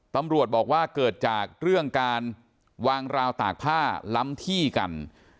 ตำรวจบอกว่าเกิดจากเรื่องการวางราวตากผ้าล้ำที่กัน